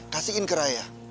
kasihin ke raya